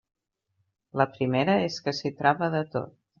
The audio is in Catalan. La primera és que s'hi troba de tot.